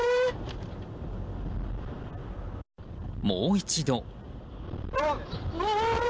もう一度。